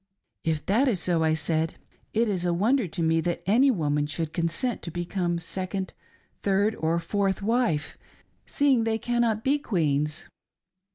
." If that is so," I said, " it is a wonder to me that any woman should consent to become second, third, or fourth wife — seeing they cannot be queens."